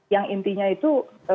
yang intinya itu